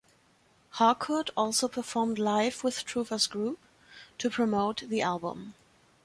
Harcourt also performed live with Truffaz's group to promote the album.